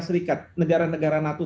serikat negara negara nato